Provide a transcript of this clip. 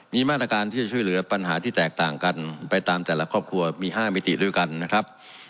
มีมาตรการที่จะช่วยเหลือปัญหาที่แตกต่างกันไปตามแต่ละครอบครัวมี๕มิติด้วยกันนะครับ